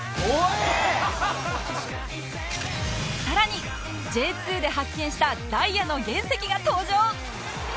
さらに Ｊ２ で発見したダイヤの原石が登場！